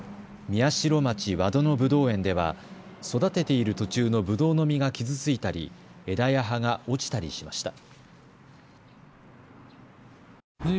宮代町和戸のぶどう園では育てている途中のぶどうの実が傷ついたり枝や葉が落ちたりしました。